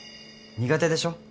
苦手でしょ？